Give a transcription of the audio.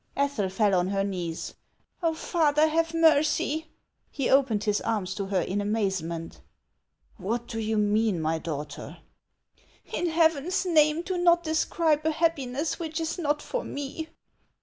Ethel fell on her knees. " Oh, father, have mercy !" He opened his arms to her in amazement. " What do you mean, my daughter ?"" In Heaven's name, do not describe a happiness which is not for me